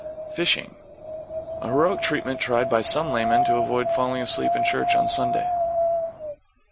=FISHING= An heroic treatment tried by some laymen to avoid falling asleep in church on Sunday.